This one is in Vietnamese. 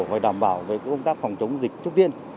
phải đảm bảo về công tác phòng chống dịch trước tiên